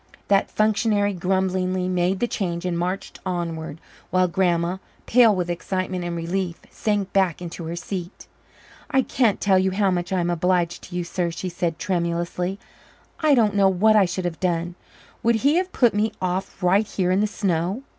That functionary grumblingly made the change and marched onward, while Grandma, pale with excitement and relief, sank back into her seat. "I can't tell you how much I am obliged to you, sir," she said tremulously. "I don't know what I should have done. Would he have put me off right here in the snow?"